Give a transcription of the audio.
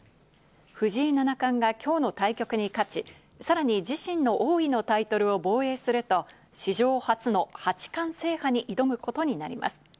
藤井七冠がきょうの対局に勝ち、さらに自身の王位のタイトルを防衛すると、史上初の八冠制覇に挑むことになります。